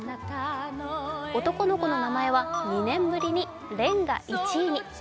男の子の名前は２年ぶりに「蓮」が１位に。